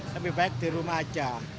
lebih baik di rumah aja